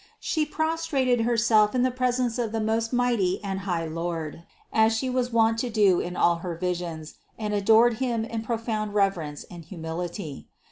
She prostrated Herself in the presence of the most mighty and high Lord, as She was wont to do in all her visions, and adored Him in profound reverence and humility.